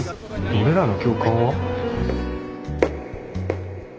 俺らの教官は？